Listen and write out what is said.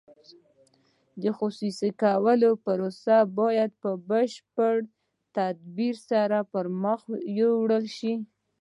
د خصوصي کولو پروسه باید په بشپړ تدبیر سره پرمخ یوړل شي.